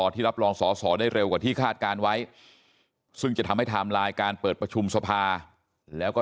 ที่รับรองสอสอได้เร็วกว่าที่คาดการณ์ไว้ซึ่งจะทำให้ไทม์ไลน์การเปิดประชุมสภาแล้วก็